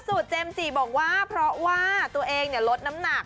เจมส์จีบอกว่าเพราะว่าตัวเองลดน้ำหนัก